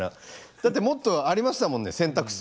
だってもっとありましたもんね選択肢。